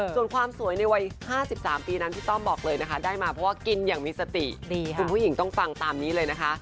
ส่วนความสวยในวัย๕๓ปีนั้นพี่ต้อมบอกเลยนะคะได้มาเพราะว่ากินอย่างมีสติคุณผู้หญิงต้องฟังตามนี้เลยนะคะ